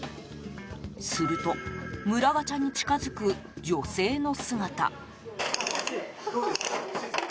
すると村ガチャに近づく女性の姿。